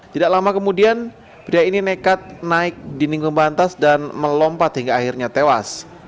tidak lama kemudian pria ini nekat naik dinding pembatas dan melompat hingga akhirnya tewas